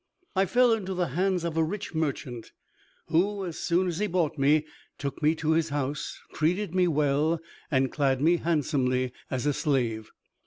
I fell into the hands of a rich merchant, who, as soon as he bought me, took me to his house, treated me well, and clad me handsomely as a slave.